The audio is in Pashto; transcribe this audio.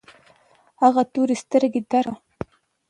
هغه تورې سترګې ترکه